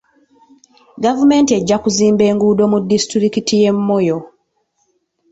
Gavumenti ejja kuzimba enguudo mu disitulikiti y'e Moyo.